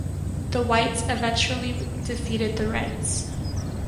The Whites eventually defeated the Reds.